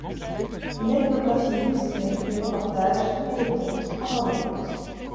Une ethnographie illustrée, des reportages, et des contes, encore des contes...